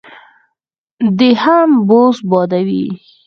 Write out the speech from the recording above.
دی هم بوس بادوي.